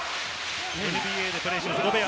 ＮＢＡでプレーしますゴベア。